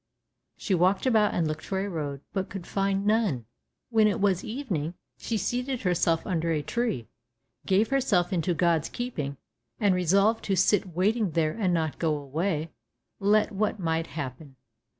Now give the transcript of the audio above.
She walked about and looked for a road, but could find none. When it was evening she seated herself under a tree, gave herself into God's keeping, and resolved to sit waiting there and not go away, let what might happen.